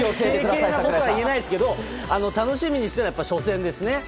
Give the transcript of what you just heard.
軽々なことは言えないですけど楽しみにしているのは初戦ですね。